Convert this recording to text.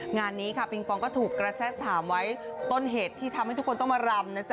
งานนี้ค่ะปิงปองก็ถูกกระแสถามไว้ต้นเหตุที่ทำให้ทุกคนต้องมารำนะจ๊